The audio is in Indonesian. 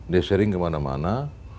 dia sharing kemana mana